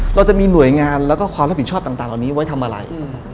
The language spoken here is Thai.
เราจะมีหน่วยงานแล้วก็ความรับผิดชอบต่างเหล่านี้ไว้ทำอะไร